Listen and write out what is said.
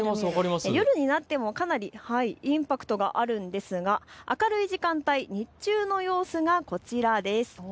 夜になってもかなりインパクトがあるんですが明るい時間帯、日中の様子がこちらです。